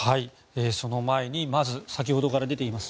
その前に、先ほどから出ています